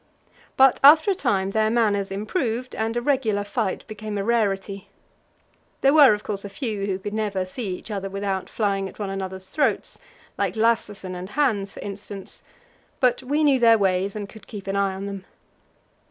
But after a time their manners improved, and a regular fight became a rarity. There were, of course, a few who could never see each other without flying at one another's throats, like Lassesen and Hans, for instance; but we knew their ways, and could keep an eye on them.